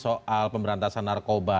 soal pemberantasan narkoba